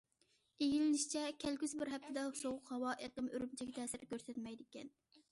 ئىگىلىنىشىچە، كەلگۈسى بىر ھەپتىدە سوغۇق ھاۋا ئېقىمى ئۈرۈمچىگە تەسىر كۆرسەتمەيدىكەن.